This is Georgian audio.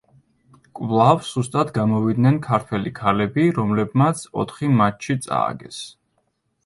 კვლავ სუსტად გამოვიდნენ ქართველი ქალები, რომლებმაც ოთხი მატჩი წააგეს.